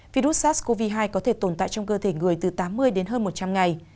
virus sars cov hai có thể tồn tại trong cơ thể người từ tám mươi đến hơn một trăm linh ngày